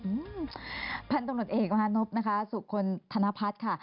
อื้มพันตกลุ่มเอกมหานภสุขลธนพัฒน์ค่ะ